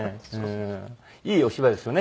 いいお芝居ですよね。